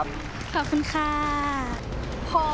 ขอบคุณค่ะ